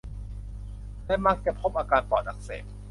และมักจะพบอาการปอดอักเสบ